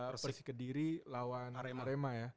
persi kediri lawan arema